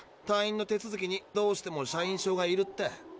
退院の手続きにどうしても社員証がいるって。